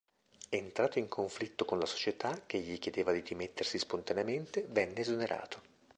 Entrato in conflitto con la società, che gli chiedeva di dimettersi spontaneamente, venne esonerato.